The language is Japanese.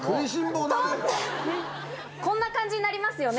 こんな感じになりますよね。